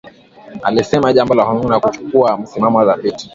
Alisema jambo muhimu ni kuchukua msimamo thabiti